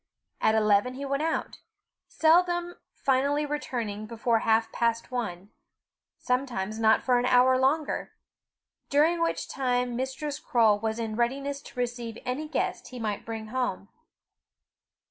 At eleven he went out, seldom finally returning before half past one, sometimes not for an hour longer during which time Mistress Croale was in readiness to receive any guest he might bring home.